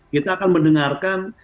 kita akan mendengarkan